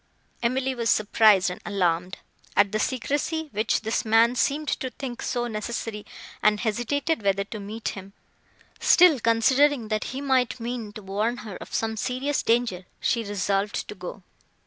Emily was surprised and alarmed, at the secrecy which this man seemed to think so necessary, and hesitated whether to meet him, till, considering, that he might mean to warn her of some serious danger, she resolved to go.